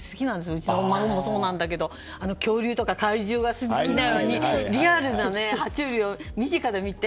うちの孫もそうなんだけど恐竜とか怪獣が好きなのでリアルな爬虫類を身近で見て。